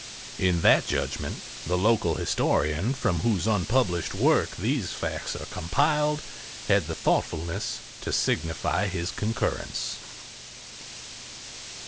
In that judgment the local historian from whose unpublished work these facts are compiled had the thoughtfulness to signify his concurrence.